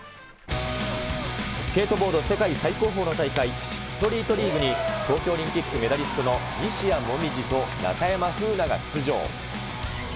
スケートボード世界最高峰の大会、ストリートリーグに、東京オリンピックメダリストの西矢椛と中山楓奈が出場。